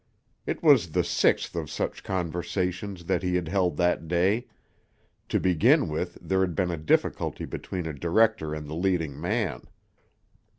It was the sixth of such conversations that he had held that day: to begin with, there had been a difficulty between a director and the leading man.